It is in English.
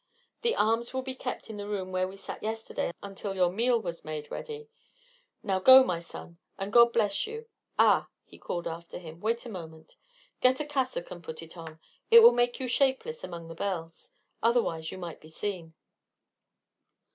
The arms will be kept in the room where we sat yesterday until your meal was made ready. Now go, my son, and God bless you. Ah!" he called after him. "Wait a moment. Get a cassock and put it on. It will make you shapeless among the bells. Otherwise you might be seen."